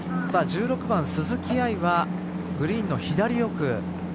１６番、鈴木愛はグリーンの左奥。